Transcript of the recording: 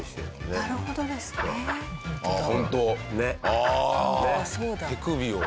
ああ手首を。